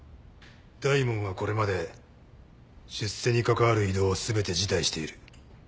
大門はこれまで出世にかかわる異動を全て辞退している。